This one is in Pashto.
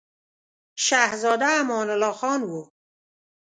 شهزاده امان الله خان وو.